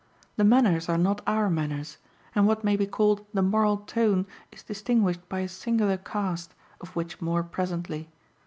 The manners are not our manners, and what may be called the moral tone is distinguished by a singular cast, of which more presently.